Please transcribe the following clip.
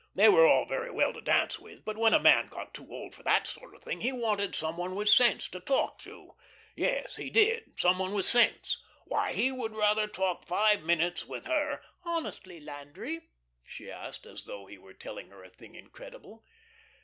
They were all very well to dance with, but when a man got too old for that sort of thing, he wanted some one with sense to talk to. Yes, he did. Some one with sense. Why, he would rather talk five minutes with her "Honestly, Landry?" she asked, as though he were telling a thing incredible.